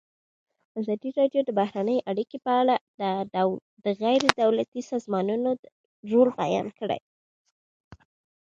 ازادي راډیو د بهرنۍ اړیکې په اړه د غیر دولتي سازمانونو رول بیان کړی.